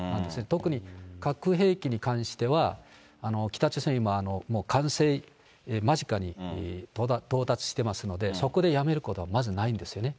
特に核兵器に関しては、北朝鮮今、もう完成間近に到達してますので、そこでやめることはまずないんですよね。